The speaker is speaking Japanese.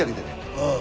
うん。